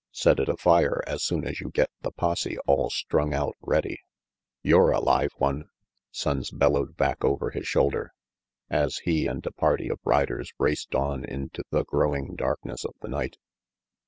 Set it afire as soon as you get the posse all strung out ready "You're a live one!" Sonnes bellowed back over his shoulder, as he and a party of riders raced on into the growing darkness of the night.